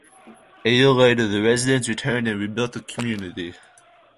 A year later the residents returned and rebuilt the community.